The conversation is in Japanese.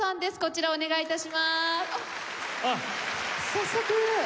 早速。